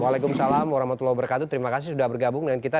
waalaikumsalam warahmatullahi wabarakatuh terima kasih sudah bergabung dengan kita